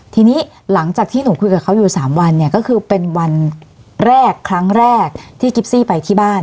ทีนี้หลังจากที่หนูคุยกับเขาอยู่๓วันเนี่ยก็คือเป็นวันแรกครั้งแรกที่กิฟซี่ไปที่บ้าน